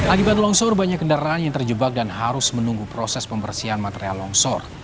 akibat longsor banyak kendaraan yang terjebak dan harus menunggu proses pembersihan material longsor